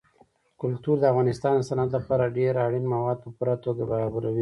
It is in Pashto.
کلتور د افغانستان د صنعت لپاره ډېر اړین مواد په پوره توګه برابروي.